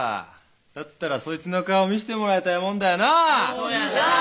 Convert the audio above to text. だったらそいつの顔見してもらいたいもんだよな！